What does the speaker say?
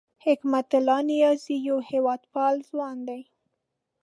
حکمت الله نیازی یو هېواد پال ځوان دی